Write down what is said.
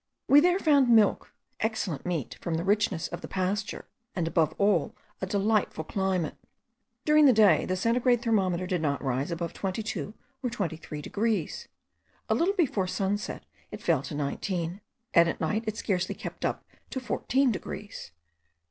We there found milk, excellent meat from the richness of the pasture, and above all, a delightful climate. During the day the centigrade thermometer did not rise above 22 or 23 degrees; a little before sunset it fell to 19, and at night it scarcely kept up to 14 degrees.